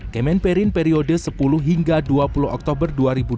kemenperin periode sepuluh hingga dua puluh oktober dua ribu dua puluh